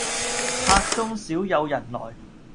客中少有人來，